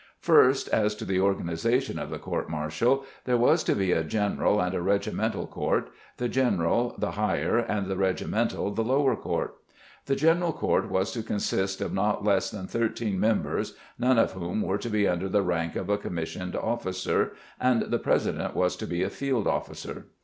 First as to the organization of the court martial, there was to be a general and a regimental court, the general, the higher and the regimental the lower court. The general court was to consist of not less than thirteen members none of whom were to be under the rank of a commissioned officer and the president was to be a field officer.